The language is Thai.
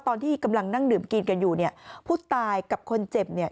ตอนที่กำลังนั่งดื่มกินกันอยู่เนี่ยผู้ตายกับคนเจ็บเนี่ย